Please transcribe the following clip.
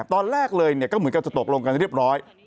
ตอนแรกเลยก็เหมือนกันจะตกลงกันเรียบร้อย